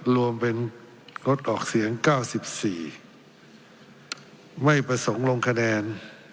รวมเป็นงดออกเสียงเก้าสิบสี่ไม่ประสงค์ลงคะแนน